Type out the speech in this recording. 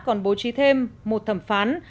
còn bố trí thêm một thẩm phán